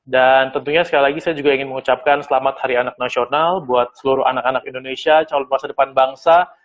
dan tentunya sekali lagi saya juga ingin mengucapkan selamat hari anak nasional buat seluruh anak anak indonesia calon kuasa depan bangsa